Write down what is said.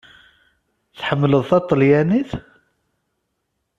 Tḥemmleḍ taṭelyanit?